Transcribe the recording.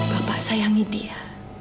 bapak sayangi dia